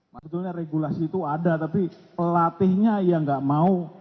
sebenarnya regulasi itu ada tapi pelatihnya yang tidak mau